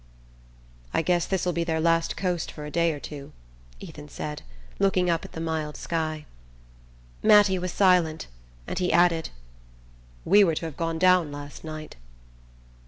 "I guess this'll be their last coast for a day or two," Ethan said, looking up at the mild sky. Mattie was silent, and he added: "We were to have gone down last night."